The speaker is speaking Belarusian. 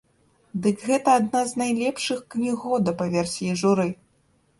Дык гэта адна з найлепшых кніг года па версіі журы!